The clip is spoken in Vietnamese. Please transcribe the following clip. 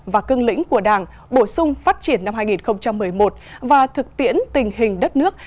và cưng lĩnh của đảng bổ sung phát triển năm hai nghìn một mươi một và thực tiễn tình hình đất nước